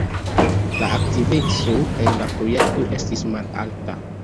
La aktiveco en la projekto estis malalta.